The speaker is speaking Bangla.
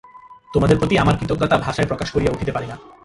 তোমাদের প্রতি আমার কৃতজ্ঞতা ভাষায় প্রকাশ করিয়া উঠিতে পারি না।